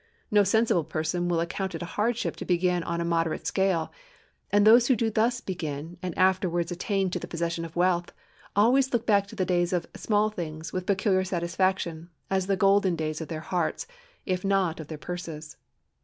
No sensible person will account it a hardship to begin on a moderate scale; and those who do thus begin, and afterwards attain to the possession of wealth, always look back to the days of "small things" with peculiar satisfaction as the golden days of their hearts, if not of their purses.